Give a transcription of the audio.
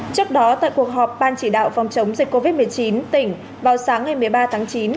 trước đó tại cuộc họp ban chỉ đạo phòng chống dịch covid một mươi chín tỉnh vào sáng ngày một mươi ba tháng chín